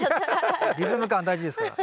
リズム感大事ですから。